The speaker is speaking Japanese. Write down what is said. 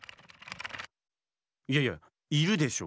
いやいやいるでしょ。